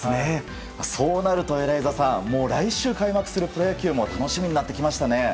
そうなるとエライザさんもう来週開幕するプロ野球も楽しみになってきましたね。